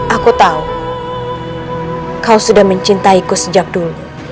aku tahu kau sudah mencintaiku sejak dulu